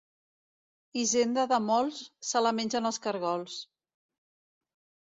Hisenda de molts se la mengen els caragols.